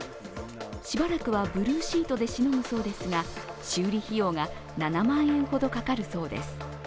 しばらくはブルーシートでしのぐそうですが修理費用が７万円ほどかかるそうです。